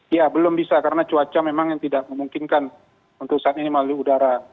ya belum bisa karena cuaca memang yang tidak memungkinkan untuk saat ini melalui udara